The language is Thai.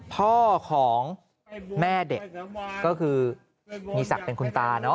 พ่อของแม่เด็กก็คือมีศักดิ์เป็นคุณตา